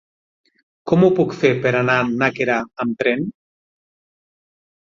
Com ho puc fer per anar a Nàquera amb tren?